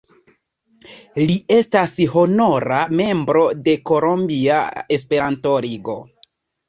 Li estas honora membro de Kolombia Esperanto-Ligo.